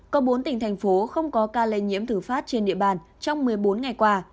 có bốn tỉnh thành phố không có ca lây nhiễm thử phát trên địa bàn trong một mươi bốn ngày qua